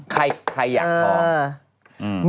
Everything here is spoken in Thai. ใครอยากท้อง